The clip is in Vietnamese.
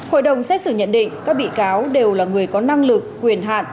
hội đồng xét xử nhận định các bị cáo đều là người có năng lực quyền hạn